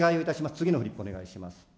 次のフリップお願いします。